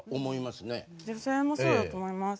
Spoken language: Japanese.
女性もそうだと思います。